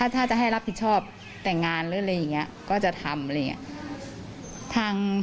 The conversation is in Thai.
ถ้าจะให้รับผิดชอบแต่งงานหรืออะไรอย่างนี้ก็จะทำอะไรอย่างนี้